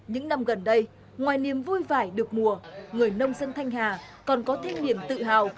những năm gần đây ngoài niềm vui vải được mùa người nông dân thanh hà còn có thêm niềm tự hào